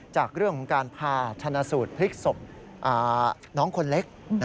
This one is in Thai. จากเรื่องของการพาชนะสูตรพลิกศพน้องคนเล็ก